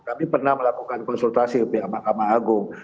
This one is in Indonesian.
kami pernah melakukan konsultasi ke pihak mahkamah agung